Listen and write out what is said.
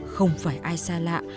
không phải ai xa lạ